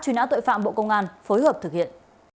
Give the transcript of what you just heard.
truy nã tội phạm bộ công an phối hợp thực hiện